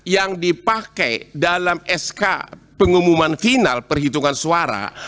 yang dipakai dalam sk pengumuman final perhitungan suara